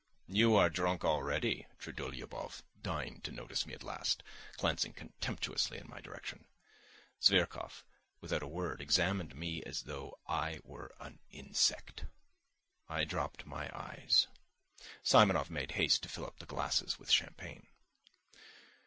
"You are drunk already." Trudolyubov deigned to notice me at last, glancing contemptuously in my direction. Zverkov, without a word, examined me as though I were an insect. I dropped my eyes. Simonov made haste to fill up the glasses with champagne.